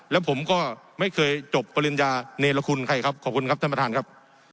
แล้วผมก็ไม่เคยจบปริญญาเนรคุณใครครับขอบคุณครับท่านประธานครับ